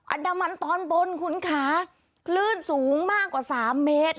อันดามันตอนบนคุณค่ะคลื่นสูงมากกว่า๓เมตร